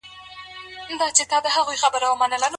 د مسلمان بلنې په اړه کومې وجيبې دي؟